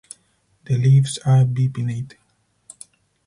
The leaves are bipinnate.